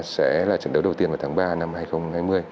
sẽ là trận đấu đầu tiên vào tháng ba năm hai nghìn hai mươi